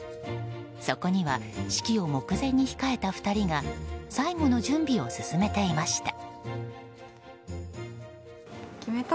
そこには式を目前に控えた２人が最後の準備を進めていました。